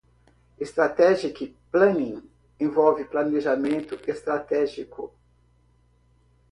Strategic Planning envolve planejamento estratégico.